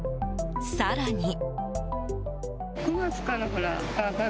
更に。